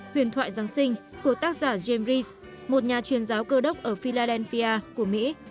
huyền thoại giáng sinh của tác giả james rees một nhà truyền giáo cơ đốc ở philadelphia của mỹ